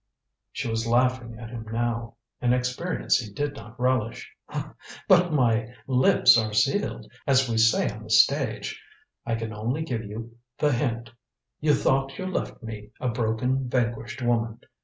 She was laughing at him now an experience he did not relish. "But my lips are sealed, as we say on the stage. I can only give you the hint. You thought you left me a broken vanquished woman.